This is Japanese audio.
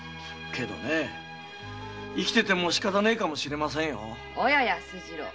けどね生きていてもしかたねえかもしれませんよ。